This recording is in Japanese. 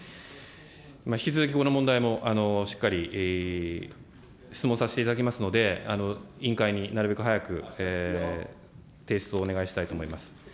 引き続きこの問題もしっかり質問させていただきますので、委員会になるべく早く提出をお願いしたいと思います。